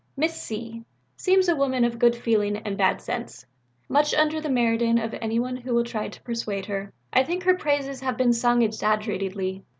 "Miss C. Seems a woman of good feeling and bad sense; much under the meridian of anybody who will try to persuade her. I think her praises have been sung exaggerated ly.